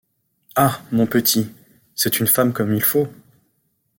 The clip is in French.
Ah ! mon petit ! c’est une femme comme il faut. ..